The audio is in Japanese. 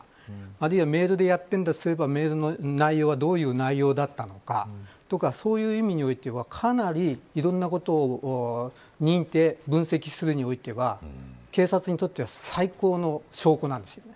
あるいは、メールでやっているとすればメールの内容はどういう内容だったのかとかそういう意味においてはかなり、いろんなことを認定、分析するにおいては警察にとっては最高の証拠なんです。